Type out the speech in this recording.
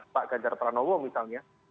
pak ganjar pranowo misalnya